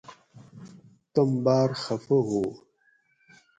تم باۤر خفہ ہُو